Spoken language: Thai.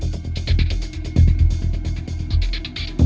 สวัสดีครับ